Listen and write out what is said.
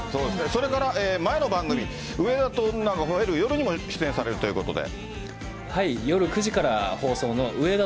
それから前の番組、上田と女が吠える夜にも出演されるということで。